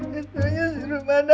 yang taunya si romana